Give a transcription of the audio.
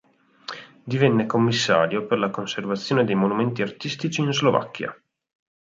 Divenne commissario per la conservazione dei monumenti artistici in Slovacchia.